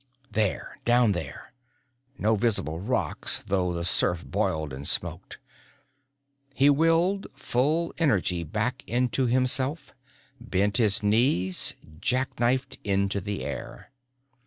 There down there. No visible rocks though the surf boiled and smoked. He willed full energy back into himself, bent his knees, jack knifed into the air.